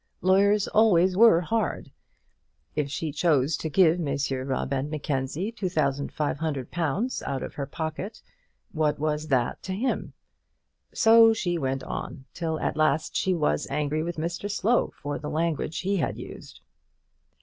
Lawyers always were hard. If she chose to give Messrs Rubb and Mackenzie two thousand five hundred pounds out of her pocket, what was that to him? So she went on, till at last she was angry with Mr Slow for the language he had used.